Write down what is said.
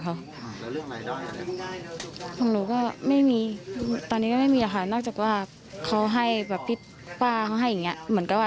ก็เก็บไว้กินกับใช่ค่ะกฎน้ำปลาเค้าเคยมัยเอาไป